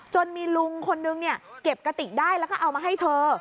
มีลุงคนนึงเนี่ยเก็บกะติกได้แล้วก็เอามาให้เธอ